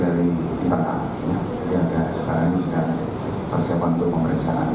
dan sekarang ini sudah bersiapan untuk pemeriksaan